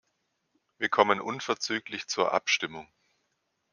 Wir kommen unverzüglich zur Abstimmung.